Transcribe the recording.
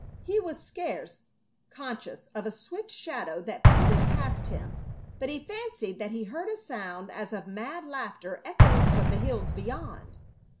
He was scarce conscious of a swift shadow that flitted past him, but he fancied that he heard a sound as of mad laughter echoing from the hills beyond.